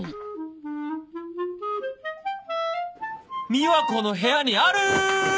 美和子の部屋にある！